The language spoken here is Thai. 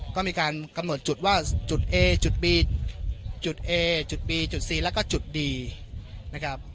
ก็มีการกำหนดจุดว่าจุดเอจุดบีจุดเอจุดบีจุดซีแล้วก็จุดดีนะครับ